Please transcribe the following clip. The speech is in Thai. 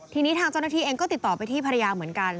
ทีนี้ทางเจ้าหน้าที่เองก็ติดต่อไปที่ภรรยาเหมือนกัน